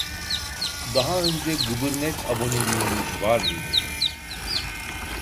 Daha önce gıbırnet aboneliğiniz var mıydı